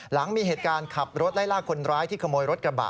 หลังมีเหตุการณ์ขับรถไล่ล่าคนร้ายที่ขโมยรถกระบะ